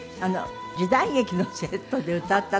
時代劇のセットで歌った時。